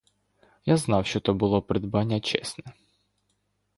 Я знав, що то було придбання чесне.